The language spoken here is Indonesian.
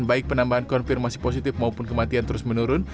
baik penambahan konfirmasi positif maupun kematian terus menurun